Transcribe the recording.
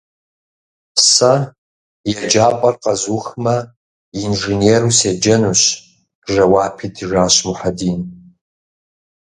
Сэ еджапӏэр къэзухмэ, инженеру седжэнущ, - жэуап итыжащ Мухьэдин.